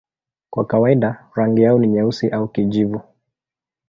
Kwa kawaida rangi yao ni nyeusi au kijivu.